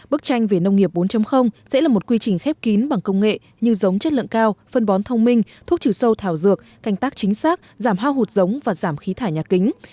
bức tranh về nông nghiệp bốn sẽ là một quy trình khép kín bằng công nghệ như giống chất lượng cao phân bón thông minh thuốc trừ sâu thảo dược canh tác chính xác giảm hao hụt giống và giảm khí thải nhà kính